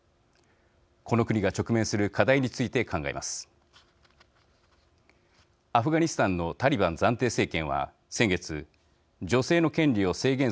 この国が直面する課題について考えます。